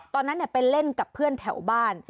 ตอนนั้นไปเล่นกับเพื่อนแถวบ้าน